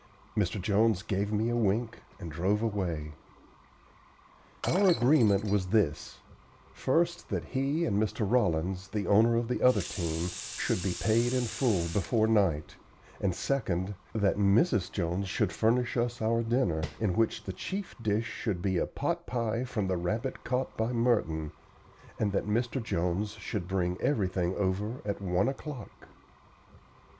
Mr. Jones gave me a wink and drove away. Our agreement was this first, that he and Mr. Rollins, the owner of the other team, should be paid in full before night; and second, that Mrs. Jones should furnish us our dinner, in which the chief dish should be a pot pie from the rabbit caught by Merton, and that Mr. Jones should bring everything over at one o'clock.